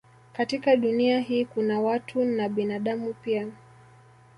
Katika Dunia hii kuna watu na binadamu pia